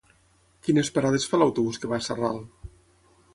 Quines parades fa l'autobús que va a Sarral?